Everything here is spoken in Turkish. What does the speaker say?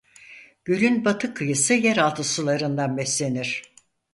Gölün batı kıyısı yer altı sularından beslenir.